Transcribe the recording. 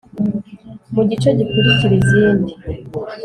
mu gice gikurikira izindi